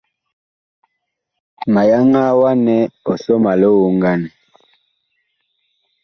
Ma yaŋaa wa nɛ ɔ sɔ ma lioŋganɛ.